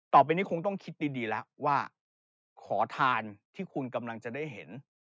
ต่อไปนี้คงต้องคิดดีแล้วว่าขอทานที่คุณกำลังจะได้เห็น